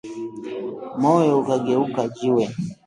Moyo ukageuka jiwe